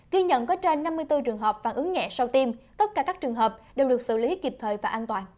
ghi nhận có trên năm mươi bốn trường hợp phản ứng nhẹ sau tim tất cả các trường hợp đều được xử lý kịp thời và an toàn